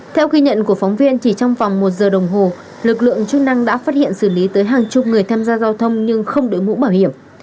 theo ghi nhận của phóng viên chỉ trong vòng một giờ đồng hồ lực lượng chức năng đã phát hiện xử lý tới hàng chục người tham gia giao thông nhưng không đổi mũ bảo hiểm